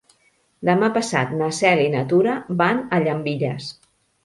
Demà passat na Cel i na Tura van a Llambilles.